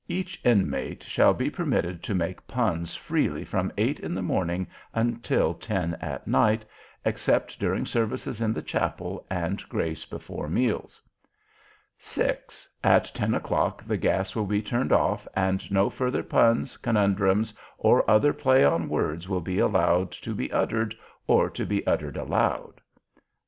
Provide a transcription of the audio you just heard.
Each Inmate shall be permitted to make Puns freely from eight in the morning until ten at night, except during Service in the Chapel and Grace before Meals. 6. At ten o'clock the gas will be turned off, and no further Puns, Conundrums, or other play on words will be allowed to be uttered, or to be uttered aloud. 9.